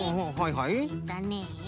えっとね